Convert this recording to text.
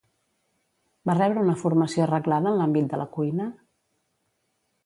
Va rebre una formació reglada en l'àmbit de la cuina?